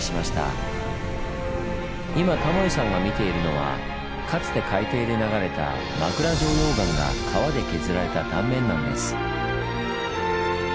今タモリさんが見ているのはかつて海底で流れた枕状溶岩が川で削られた断面なんです。